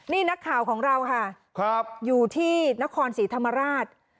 นี่นักข่าวของเราค่ะอยู่ที่นครศรีธรรมราช